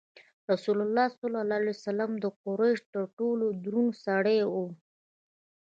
رسول الله د قریشو تر ټولو دروند سړی و.